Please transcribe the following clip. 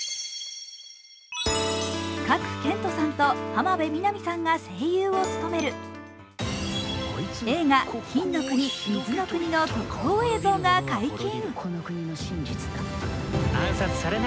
賀来賢人さんと浜辺美波さんが声優を務める映画「金の国水の国」の映像が解禁